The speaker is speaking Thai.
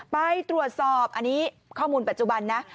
ไปตรวจสอบอันนี้ข้อมูลปัจจุบันนะ